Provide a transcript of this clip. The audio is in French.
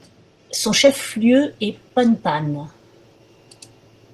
Son chef-lieu est Pampán.